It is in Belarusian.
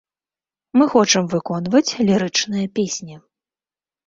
Мы хочам выконваць лірычныя песні.